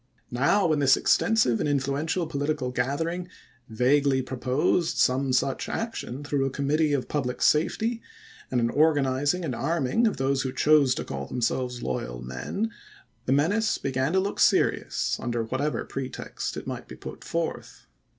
Now, when this extensive and influential political gathering vaguely proposed some such action through a committee of public safety, and an organizing and arming of those who chose to call themselves " loyal men," the menace began to look serious under whatever pretext it might be put forth.